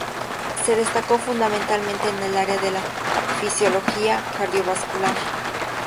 Se destacó fundamentalmente en el área de la fisiología cardiovascular.